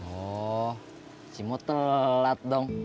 oh cimot telat dong